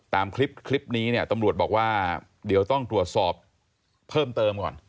ตามคลิปคลิปนี้เนี่ยตำรวจบอกว่าเดี๋ยวต้องตรวจสอบเพิ่มเติมก่อน